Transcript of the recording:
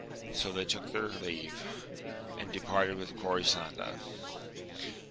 So they took their leave, and departed with Corisanda.